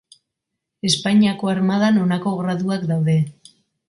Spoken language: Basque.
Espainiako Armadan honako graduak daude.